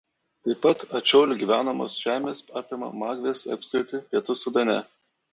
Taip pat ačiolių gyvenamos žemės apima Magvės apskritį Pietų Sudane.